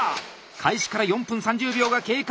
開始から４分３０秒が経過。